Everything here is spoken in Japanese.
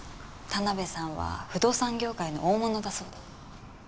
田辺さんは不動産業界の大物だそうで。